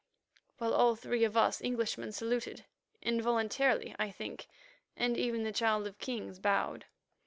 while all three of us Englishmen saluted, involuntarily, I think, and even the Child of Kings bowed.